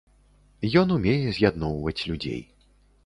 Ён умее з'ядноўваць людзей.